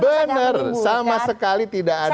benar sama sekali tidak ada